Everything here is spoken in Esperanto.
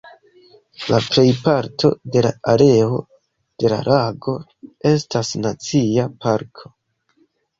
La plejparto de la areo de la lago estas nacia parko.